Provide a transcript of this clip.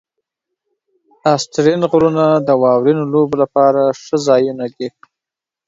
آسټرین غرونه د واورینو لوبو لپاره ښه ځایونه دي.